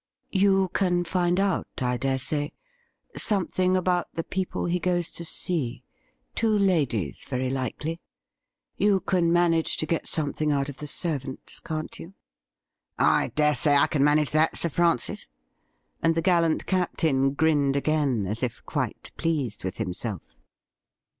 'You can find out, I dare say, something about the people he goes to see — two ladies, very likely. You can manage to get something out of the servants, can't you ?'' I dare say I can manage that. Sir Francis ;' and the gallant Captain grinned again, as if quite pleased with himself.